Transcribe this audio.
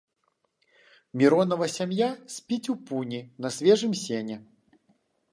Міронава сям'я спіць у пуні на свежым сене.